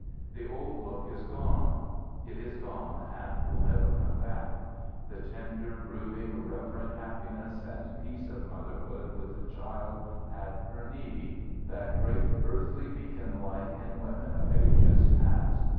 The old look is gone. It is gone, and will never come back the tender, brooding, reverent happiness and peace of motherhood with the child at her knee that great earthly beacon light in women of ages past.